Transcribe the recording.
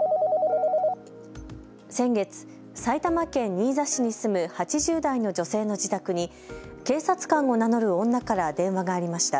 先月、埼玉県新座市に住む８０代の女性の自宅に警察官を名乗る女から電話がありました。